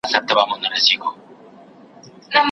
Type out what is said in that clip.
زموږ له حماسو به د غلیم خونه لړزیږي